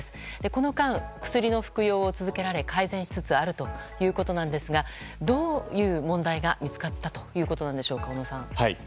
この間、薬の服用を続けられ改善しつつあるということなんですがどういう問題が見つかったということなんでしょうか小野さん。